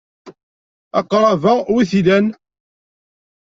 Aqṛab-a wi t-ilan?